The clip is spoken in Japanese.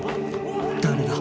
誰だ？